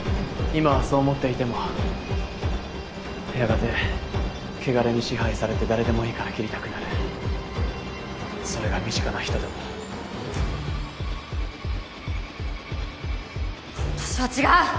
今はそう思っていてもやがて穢れに支配されて誰でもいいから斬りたくなるそれが身近な人でも私は違う！